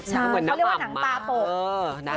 เขาเรียกว่าหนังตาตก